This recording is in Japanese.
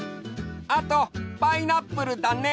あとパイナップルだね。